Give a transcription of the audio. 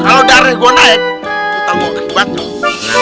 kalau dare gue naik lu tahu gue gede banget tuh